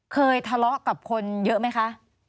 เคยทะเลาะกับคนเยอะไหมคะ